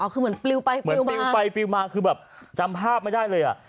คือเหมือนปลิวไปปลิวมาคือแบบจำภาพไม่ได้เลยอ่ะ